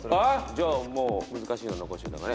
じゃあもう難しいの残しといた方がね